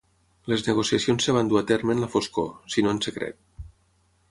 Les negociacions es van dur a terme en la foscor, si no en secret.